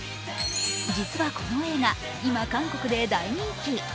実はこの映画、今、韓国で大人気。